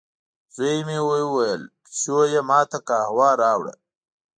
زوی مې وویلې، چې پیشو یې ما ته قهوه راوړه.